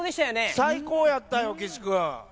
最高やったよ、岸君。